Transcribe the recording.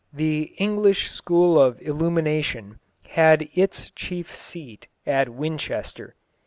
The English school of illumination had its chief seat at Winchester.